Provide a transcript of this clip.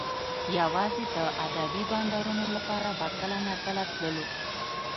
یوازې د ادبي بنډارونو لپاره به کله ناکله تللو